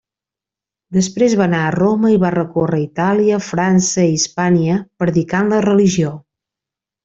Després va anar a Roma i va recórrer Itàlia, França i Hispània, predicant la religió.